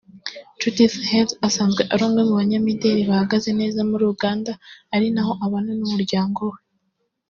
Judith Heard asanzwe ari umwe mu banyamideli bahagaze neza muri Uganda ari na ho abana n’umuryango we